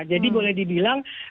jadi boleh dibilang